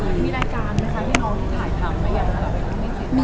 มีรายการไหมคะที่น้องที่ถ่ายทำ